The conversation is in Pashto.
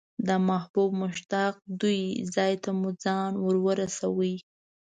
د محبوب مشتاق دوی ځای ته مو ځان ورساوه.